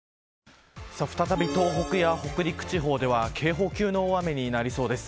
再び東北や北陸地方では警報級の大雨になりそうです。